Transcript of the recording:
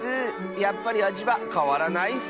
やっぱりあじはかわらないッス！